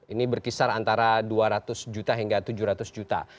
ini berkisar antara dua ratus juta hingga tujuh ratus juta